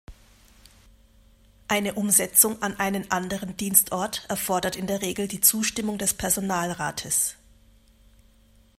Eine Umsetzung an einen anderen Dienstort erfordert in der Regel die Zustimmung des Personalrates.